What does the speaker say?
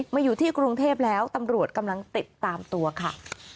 มาอยู่ที่กรุงเทพแล้วตำรวจกำลังติดตามตัวค่ะ